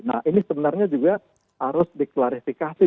nah ini sebenarnya juga harus diklarifikasi